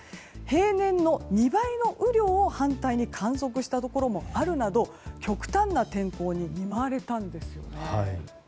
平年の２倍の雨量を観測したところもあるなど極端な天候に見舞われたんですよね。